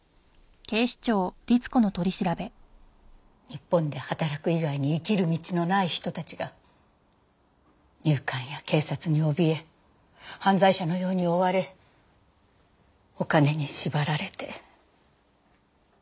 日本で働く以外に生きる道のない人たちが入管や警察におびえ犯罪者のように追われお金に縛られて。